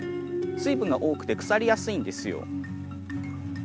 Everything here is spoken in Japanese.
水分が多くて腐りやすいんですよ。